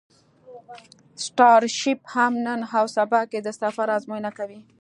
سټارشیپ هم نن او سبا کې د سفر ازموینه کوي.